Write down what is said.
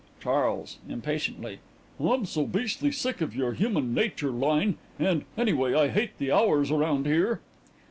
CHARLES: (Impatiently) I'm so beastly sick of your human nature line. And, anyway, I hate the hours around here.